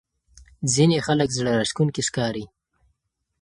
ځینې خلک زړه راښکونکي ښکاري.